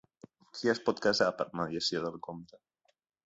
Qui es pot casar per mediació del comte?